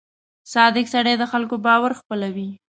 • صادق سړی د خلکو باور خپلوي.